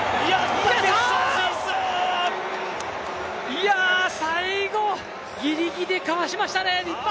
いや、最後、ギリギリかわしましたね、立派！